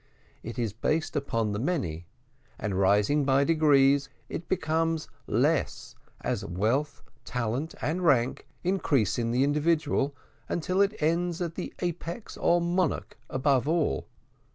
It is based upon the many, and rising by degrees, it becomes less as wealth, talent, and rank increase in the individual, until it ends at the apex, or monarch, above all.